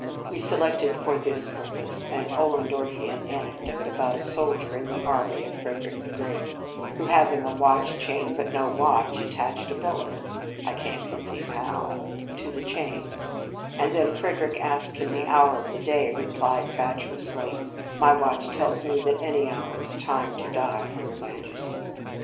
We se lected for this purpose an Ollendorfian anecdote about a soldier in the army of Frederick the Great, who, having a watch chain but no watch, attached a bullet I can t conceive how to the chain; and, when Frederick asked him the hour of the day, replied fatuously: "My watch tells me that any hour is the time to die for your majesty."